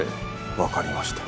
わかりました。